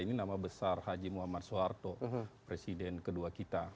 ini nama besar haji muhammad soeharto presiden kedua kita